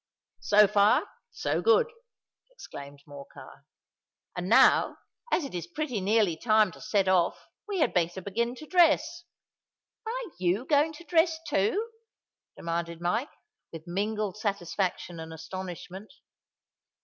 "So far, so good," exclaimed Morcar. "And now, as it is pretty nearly time to set off, we had better begin to dress." "Are you going to dress too?" demanded Mike, with mingled satisfaction and astonishment.